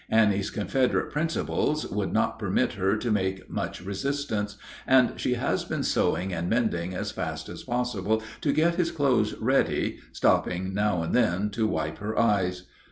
Annie's Confederate principles would not permit her to make much resistance, and she has been sewing and mending as fast as possible to get his clothes ready, stopping now and then to wipe her eyes.